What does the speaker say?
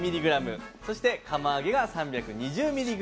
そして釜揚げが３２０ｍｇ。